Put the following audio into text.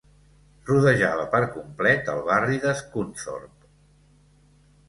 Rodejava per complet el barri de Scunthorpe.